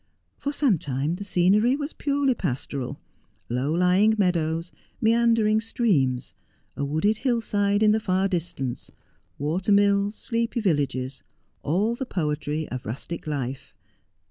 JTor some time the scenery was purely pastoral, low lying meadows, meandering streams, a wooded hill side in the far distance, water mills, sleepy villgges, all the poetry of rustic life.